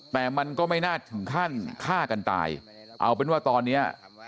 แต่มันก็ไม่น่าถึงขั้นฆ่ากันตายเอาเป็นว่าตอนนี้